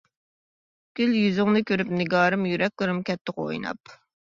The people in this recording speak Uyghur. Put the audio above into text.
گۈل يۈزۈڭنى كۆرۈپ نىگارىم، يۈرەكلىرىم كەتتىغۇ ئويناپ.